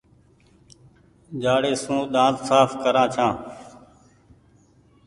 جآڙي سون ۮآنٿ ساڦ ڪرآن ڇآن ۔